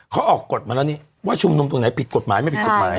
เขาออกกฎมาแล้วนี่ว่าชุมนุมตรงไหนผิดกฎหมายไม่ผิดกฎหมาย